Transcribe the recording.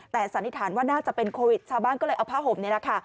แต่สันนิษฐานว่าน่าจะเป็นโควิดชาวบ้านก็เลยเอาผ้าห่มนี่แหละค่ะ